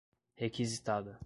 requisitada